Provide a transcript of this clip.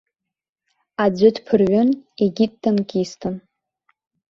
Аӡәы дԥырҩын, егьи дтанкистын.